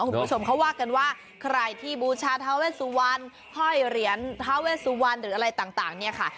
คุณผู้ชมเขาว่ากันว่าใครที่บูชาทาเวสุวรรณห้อยเหรียญทาเวสุวรรณหรืออะไรต่างเนี่ยค่ะ